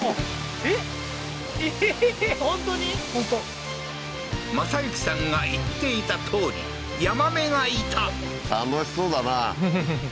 えっ？ええー正行さんが言っていたとおりヤマメがいた楽しそうだなふふふふっ